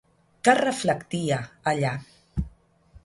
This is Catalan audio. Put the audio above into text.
Què es reflectia allà?